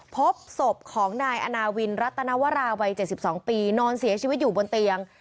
พบศพของนายอนาวินรัตนวราวัย๗๒ปีนอนเสียชีวิตอยู่บนเตียง